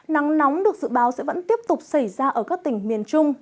nắng nóng được dự báo sẽ vẫn tiếp tục xảy ra ở các tỉnh miền trung